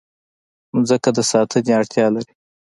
مځکه د ساتنې اړتیا لري.